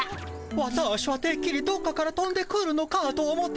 ワターシはてっきりどっかからとんでくるのかと思ってました。